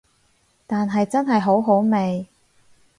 但係真係好好味